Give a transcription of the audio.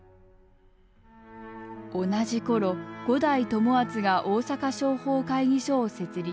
同じ頃五代友厚が大阪商法会議所を設立。